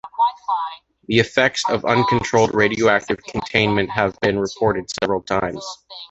The effects of uncontrolled radioactive contamination have been reported several times.